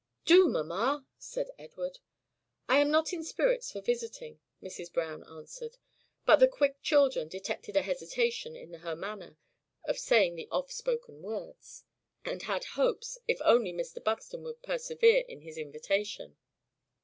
"Do mamma," said Edward. "I am not in spirits for visiting," Mrs. Browne answered. But the quick children detected a hesitation in her manner of saying the oft spoken words, and had hopes, if only Mr. Buxton would persevere in his invitation.